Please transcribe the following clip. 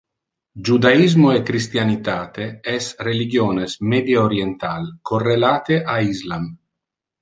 Judaismo e Christianitate es religiones medie oriental correlate a Islam.